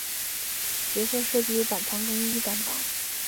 角色设计由板仓耕一担当。